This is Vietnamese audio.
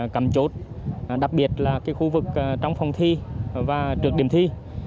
cắm chốt đặc biệt là khu vực trong phòng thi và trước điểm thi